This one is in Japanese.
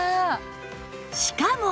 しかも